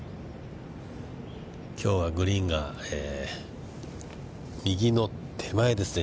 きょうはグリーンが右の手前ですね。